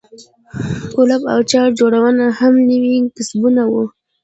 کولپ او چړه جوړونه هم نوي کسبونه وو.